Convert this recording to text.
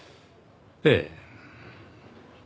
ええ。